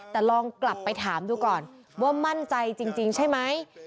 แต่ลองกลับไปถามดูก่อนว่ามั่นใจจริงใช่ไหม